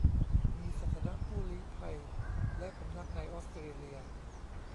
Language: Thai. มีสถานะผู้ลี้ภัยและพำนักในออสเตรเลีย